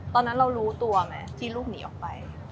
ตอนนั้นเรารู้ตัวไหมที่ลูกหนีออกไป